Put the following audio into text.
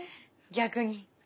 逆に。